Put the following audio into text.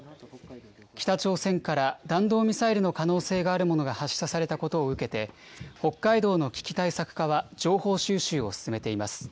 北朝鮮から弾道ミサイルの可能性のあるものが発射されたことを受けて、北海道の危機対策課は情報収集を進めています。